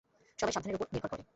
সবই সাধনের উপর নির্ভর করে।